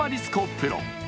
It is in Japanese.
プロ。